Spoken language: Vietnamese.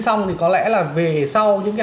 xong thì có lẽ là về sau những cái